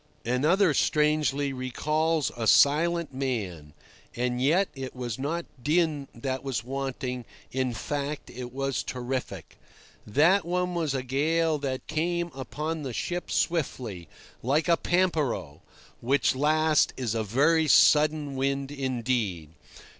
Another, strangely, recalls a silent man. And yet it was not din that was wanting; in fact, it was terrific. That one was a gale that came upon the ship swiftly, like a parnpero, which last is a very sudden wind indeed.